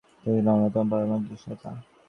তিনি ছিলেন তাদের অন্যতম পরামর্শদাতা।